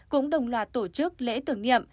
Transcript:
cũng đồng loạt tổ chức lễ tưởng niệm